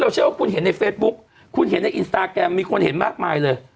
เชื่อว่าคุณเห็นในเฟซบุ๊กคุณเห็นในอินสตาแกรมมีคนเห็นมากมายเลย